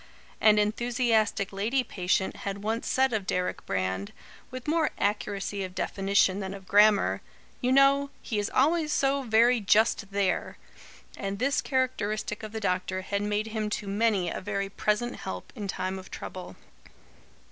An enthusiastic lady patient had once said of Deryck Brand, with more accuracy of definition than of grammar: "You know, he is always so very JUST THERE." And this characteristic of the doctor had made him to many a very present help in time of trouble.